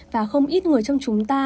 và không ít người trong chúng ta